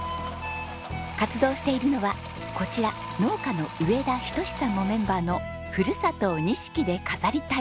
活動しているのはこちら農家の上田仁さんもメンバーの「ふるさとを錦で飾り隊」。